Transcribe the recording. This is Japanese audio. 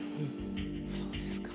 そうですか。